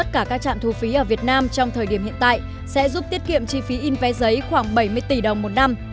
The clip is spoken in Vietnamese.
tất cả các trạm thu phí ở việt nam trong thời điểm hiện tại sẽ giúp tiết kiệm chi phí in vé giấy khoảng bảy mươi tỷ đồng một năm